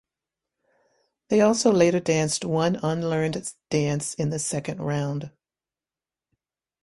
They also later danced one unlearned dance in the second round.